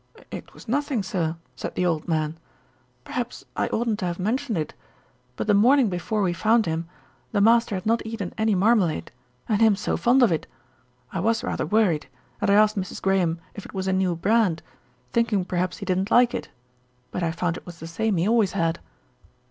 "It was nothing, sir," said the old man. "Perhaps I oughtn't to have mentioned it; but the morning before we found him, the master had not eaten any marmalade, and him so fond of it. I was rather worried, and I asked Mrs. Graham if it was a new brand, thinking perhaps he didn't like it; but I found it was the same he always had."